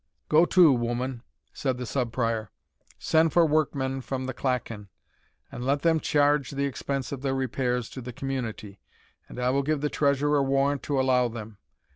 "Go to, woman," said the Sub Prior; "send for workmen from the clachan, and let them charge the expense of their repairs to the Community, and I will give the treasurer warrant to allow them.